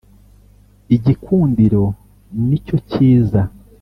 igikundiro nicyo cyiza.